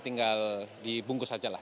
tinggal dibungkus sajalah